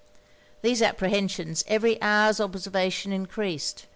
These apprehensions, every hour's observation encreased.